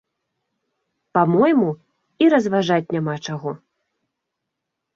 Па-мойму, і разважаць няма чаго!